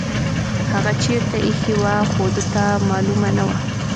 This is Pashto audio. هغه چیرته ایښې وه خو ده ته معلومه نه وه.